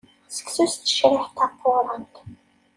Seksu s tecriḥt taqurant.